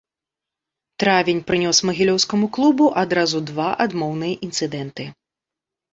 Травень прынёс магілёўскаму клубу адразу два адмоўныя інцыдэнты.